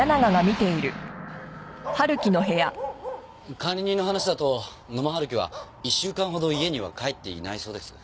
管理人の話だと野間春樹は１週間ほど家には帰っていないそうです。